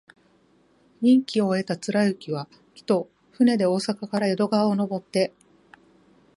任期を終えた貫之は、帰途、船で大阪から淀川をのぼって、